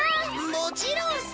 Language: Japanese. もちろんさ！